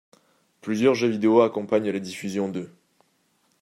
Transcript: Plusieurs jeux vidéo accompagnent la diffusion de '.